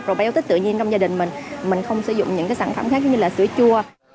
probiotic tự nhiên trong gia đình mình mình không sử dụng những sản phẩm khác như sữa chua